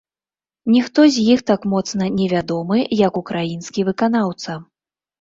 Ніхто з іх так моцна не вядомы, як украінскі выканаўца.